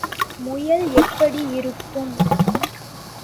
முயல் எப்படி இருக்கும்?